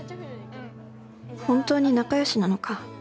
本当に仲良しなのか？